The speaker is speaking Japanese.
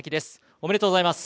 おめでとうございます。